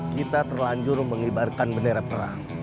kita terlanjur mengibarkan bendera perang